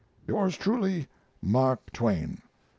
Yours truly, MARK TWAIN.